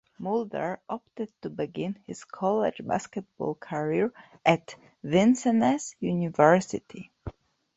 Mulder opted to begin his college basketball career at Vincennes University.